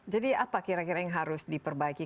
jadi apa kira kira yang harus diperbaiki